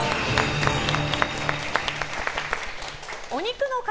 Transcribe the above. お肉の塊